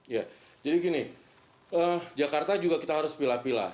ya jadi gini jakarta juga kita harus pilih pilih